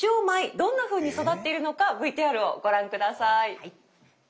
どんなふうに育っているのかＶＴＲをご覧下さい。